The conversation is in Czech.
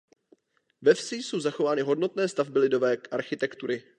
Ve vsi jsou zachovány hodnotné stavby lidové architektury.